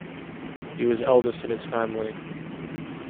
He was eldest in his family.